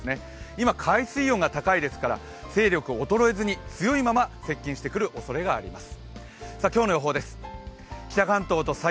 今、海水温が高いですから勢力が衰えずに、強いまま接近してくるおそれがあります。